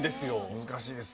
難しいですよ。